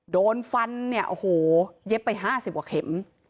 โดนฟันเนี่ยโอ้โหเย็บไป๕๐กว่าเข็ม